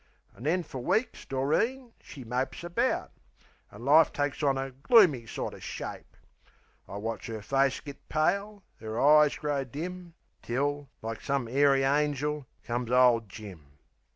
An' then fer weeks Doreen she mopes about, An' life takes on a gloomy sorter shape. I watch 'er face git pale, 'er eyes grow dim; Till like some 'airy angel comes ole Jim.